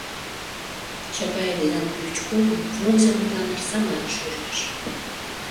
Чапаев ден Ключковым Фрунзе мутланаш Самарыш ӱжеш.